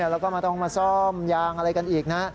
แล้วก็ไม่ต้องมาซ่อมยางอะไรกันอีกนะ